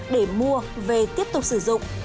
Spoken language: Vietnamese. để mua về tiếp tục sử dụng